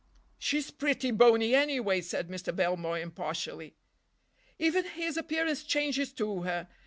"She's pretty bony, anyway," said Mr. Belmore impartially. "Even his appearance changes to her.